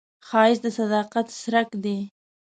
ښایست د صداقت څرک دی